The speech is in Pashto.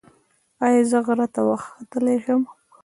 ایا زه غره ته وختلی شم؟